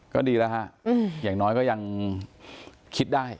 ก็ดีแล้วฮะอย่างน้อยก็ยังคิดได้